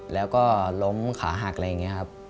แล้วก็ล้มขาหักอะไรอย่างนี้ครับ